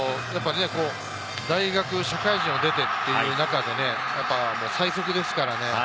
大学、社会人を出てっていう中で、最速ですからね。